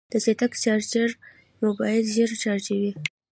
د چټک چارجر موبایل ژر چارجوي.